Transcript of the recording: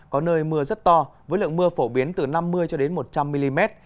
có nơi mưa rất to với lượng mưa phổ biến từ năm mươi cho đến một trăm linh mm